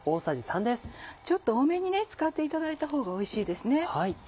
ちょっと多めに使っていただいたほうがおいしいですね。